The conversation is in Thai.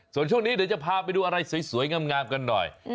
ส่วนช่วงนี้เดี๋ยวจะพาไปดูอะไรสวยงามกันหน่อย